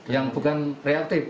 yang bukan reaktif